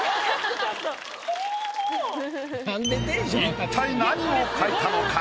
一体何を描いたのか？